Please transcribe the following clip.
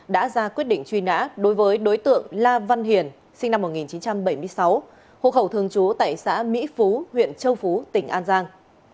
đã ra quyết định truy nã đối với đối tượng la văn hiền sinh năm một nghìn chín trăm bảy mươi sáu hộ khẩu thường trú tại xã mỹ phú huyện châu phú tỉnh an giang